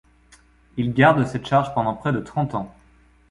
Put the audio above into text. Il garde cette charge pendant près de trente ans.